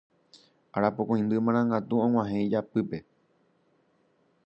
Arapokõindy Marangatu og̃uahẽ ijapýpe